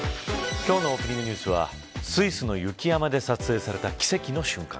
今日のオープニングニュースはスイスの雪山で撮影された奇跡の瞬間。